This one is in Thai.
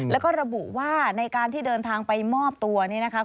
แล้วก็ระบุว่าในการที่เดินทางไปมอบตัวนี่นะคะ